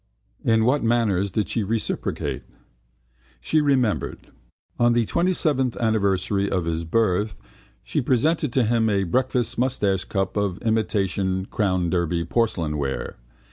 In what manners did she reciprocate? She remembered: on the 27th anniversary of his birth she presented to him a breakfast moustachecup of imitation Crown Derby porcelain ware.